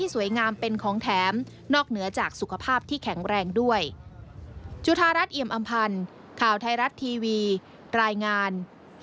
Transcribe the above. สุขภาพที่แข็งแรงด้วยจุธารัฐเอียมอำพันธ์ข่าวไทยรัฐทีวีรายงาน